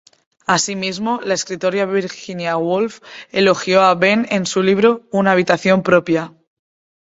Asimismo, la escritora Virginia Woolf elogió a Behn en su libro "Una habitación propia".